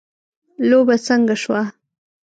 لوبه څنګه شوه .